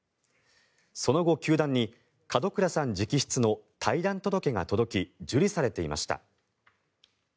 その後、球団に門倉さん直筆の退団届が届き受理されていました。